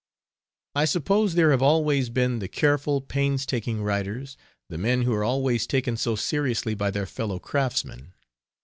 I suppose there have always been the careful, painstaking writers, the men who are always taken so seriously by their fellow craftsmen.